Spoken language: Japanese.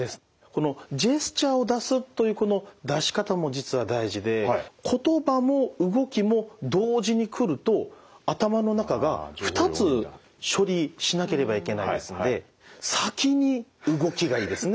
このジェスチャーを出すというこの出し方も実は大事で言葉も動きも同時に来ると頭の中が２つ処理しなければいけないですので先に動きがいいですね。